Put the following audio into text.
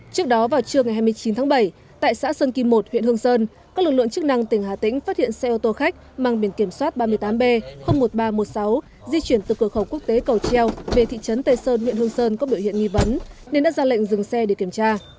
trước đó vào trưa ngày hai mươi chín tháng bảy tại xã sơn kim một huyện hương sơn các lực lượng chức năng tỉnh hà tĩnh phát hiện xe ô tô khách mang biển kiểm soát ba mươi tám b một nghìn ba trăm một mươi sáu di chuyển từ cửa khẩu quốc tế cầu treo về thị trấn tây sơn huyện hương sơn có biểu hiện nghi vấn nên đã ra lệnh dừng xe để kiểm tra